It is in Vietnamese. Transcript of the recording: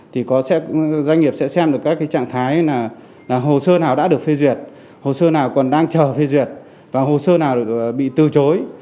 thì doanh nghiệp sẽ xem được các trạng thái là hồ sơ nào đã được phê duyệt hồ sơ nào còn đang chờ phê duyệt và hồ sơ nào bị từ chối